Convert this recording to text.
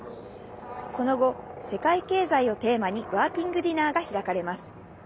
その後、世界経済をテーマにワーキングディナーが開かれます。